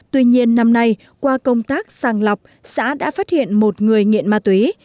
tuy nhiên năm nay qua công tác sàng lọc xã đã phát hiện một người nghiện ma túy